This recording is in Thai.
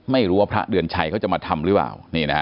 ไม่รู้ว่าพระเดือนชัยเขาจะมาทำหรือเปล่า